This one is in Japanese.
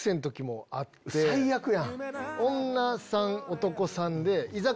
最悪やん。